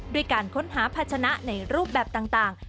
ด้วยการค้นหาภาชนะในรูปแบบต่าง